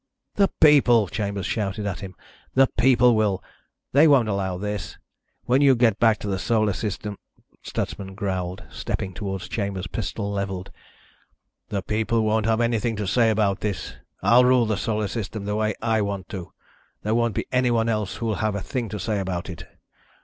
"The people," Chambers shouted at him. "The people will. They won't allow this. When you get back to the Solar System ..." Stutsman growled, stepping toward Chambers, pistol leveled. "The people won't have anything to say about this. I'll rule the Solar System the way I want to. There won't be anyone else who'll have a thing to say about it.